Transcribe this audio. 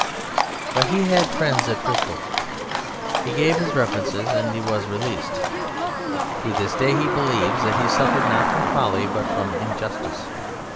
But he had friends at Bristol. He gave his references and he was released. To this day he believes that he suffered not from folly, but from injustice.